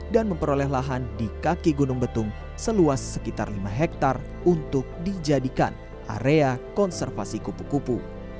dan memperoleh lahan di kaki gunung betung seluas sekitar lima hektare untuk dijadikan area konservasi kupu kupu